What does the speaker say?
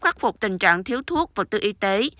khắc phục tình trạng thiếu thuốc vật tư y tế